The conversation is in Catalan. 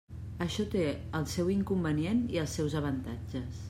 Això té el seu inconvenient i els seus avantatges.